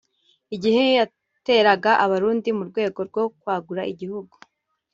igihe yateraga Abarundi mu rwego rwo kwagura igihugu